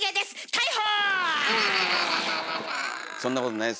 逮捕！